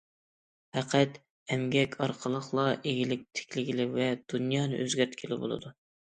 پەقەت ئەمگەك ئارقىلىقلا ئىگىلىك تىكلىگىلى ۋە دۇنيانى ئۆزگەرتكىلى بولىدۇ.